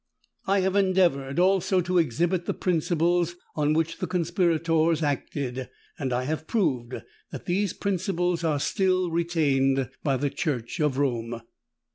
I have endeavoured also to exhibit the principles on which the conspirators acted: and I have proved that these principles are still retained by the Church of Rome.